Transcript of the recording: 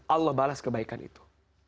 allah balas kebaikan itu